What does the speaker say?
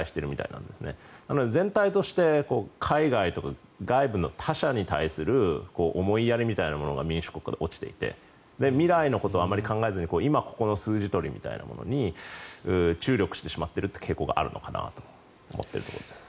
なので全体として海外とか外部の他者に対する思いやりみたいなものが民主国家で落ちていて未来のことをあまり考えずに今ここの数字取りみたいなことに注力してしまっている傾向があるのかなと思っているところです。